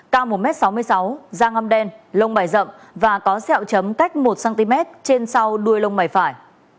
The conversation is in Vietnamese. cao một m sáu mươi sáu da ngâm đen lông bảy rậm và có xeo chấm cách một cm trên sau đuôi lông bảy phải